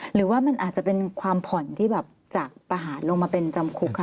หรือว่ามันอาจจะเป็นความผ่อนที่แบบจากประหารลงมาเป็นจำคุกค่ะ